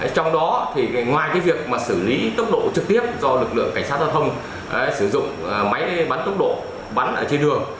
trong đó thì ngoài việc xử lý tốc độ trực tiếp do lực lượng cảnh sát giao thông sử dụng máy bắn tốc độ bắn ở trên đường